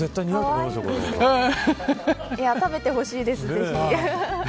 食べてほしいです。